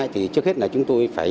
thì trước hết là chúng tôi phải